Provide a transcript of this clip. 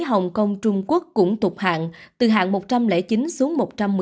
hồng kông trung quốc cũng tục hạng từ hạng một trăm linh chín xuống một trăm một mươi bốn